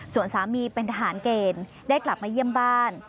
ส่วนสามีเป็นทหารเกณฑ์ได้กลับมาเยี่ยมบ้าน